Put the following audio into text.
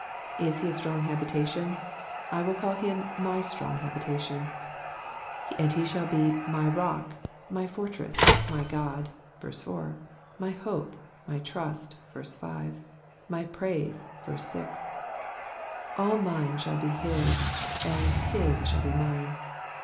Is he a strong habitation ? I will call him '' my strong habitation," and he shall be my rock, my fortress, my God (verse 4), my hope, my trust (verse 5), my praise (verse 6). All mine shall be his, all his shall be mine.